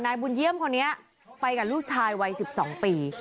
บุญเยี่ยมคนนี้ไปกับลูกชายวัย๑๒ปี